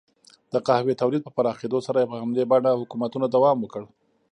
د قهوې تولید په پراخېدو سره یې په همدې بڼه حکومتونو دوام وکړ.